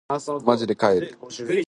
まじで帰りたい